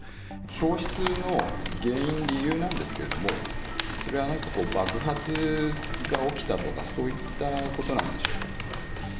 消失の原因、理由なんですけども、それは何か爆発が起きたとか、そういったことなんでしょうか。